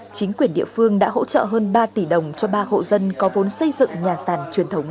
chính quyền địa phương đã hỗ trợ hơn ba tỷ đồng cho ba hộ dân có vốn xây dựng nhà sàn truyền thống